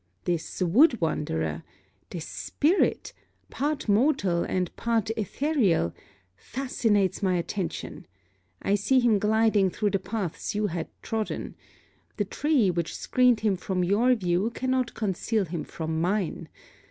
This wood wanderer! This spirit 'part mortal and part etherial,' fascinates my attention. I see him gliding through the paths you had trodden. The tree which screened him from your view cannot conceal him from mine.